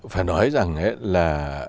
phải nói rằng là